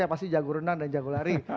terima kasih jago renang dan jago lari